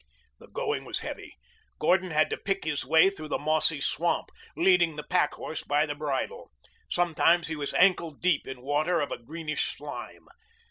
The going was heavy. Gordon had to pick his way through the mossy swamp, leading the pack horse by the bridle. Sometimes he was ankle deep in water of a greenish slime.